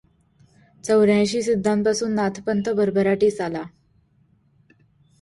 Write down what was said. चौऱ्यांयशी सिद्धांपासून नाथपंथ भरभराटीस आला.